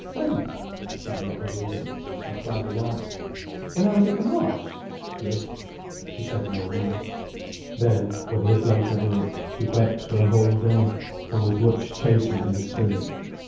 "When?" She did not believe him. "On Friday night." "When I was at the Marsh?" "Yes." She said no more. Then, when he had gone to work, she wept for a whole day, and was much chastened in spirit.